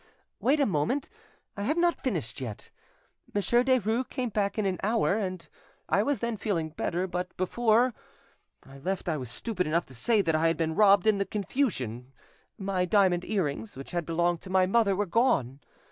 "Wait a moment; I have not finished yet. Monsieur Derues came back in an hour, and I was then feeling better; but before, I left I was stupid enough to say that I had been robbed in the confusion; my diamond earrings, which had belonged to my mother, were gone.